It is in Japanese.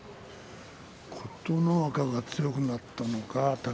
琴ノ若が強くなったのか